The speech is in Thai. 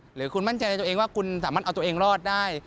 หรือคุณมั่นใจในตัวเองว่าคุณสามารถเอาตัวเองรอดได้